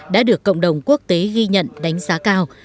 đã được cộng đồng quốc tế ghi nhận đánh giá cao